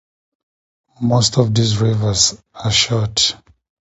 Most of these rivers are short.